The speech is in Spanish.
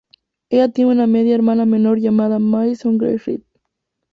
Ella tiene una media hermana menor llamada Madison Grace Reed.